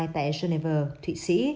tại geneva thụy sĩ